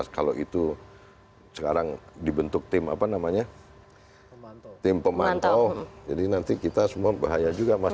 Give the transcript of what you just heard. kalau itu sekarang dibentuk tim apa namanya tim pemantau jadi nanti kita semua bahaya juga mas